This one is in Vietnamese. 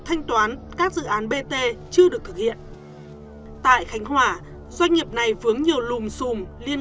thanh toán các dự án bt chưa được thực hiện tại khánh hòa doanh nghiệp này vướng nhiều lùm xùm liên